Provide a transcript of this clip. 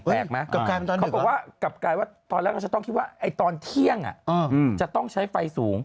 เขาบอกว่ากลับกลายว่าตอนแรกเราจะต้องคิดว่าตอนเที่ยงจะต้องใช้ไฟสูง